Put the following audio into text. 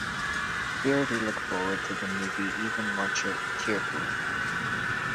Here we look forward to the movie even more cheerfully now!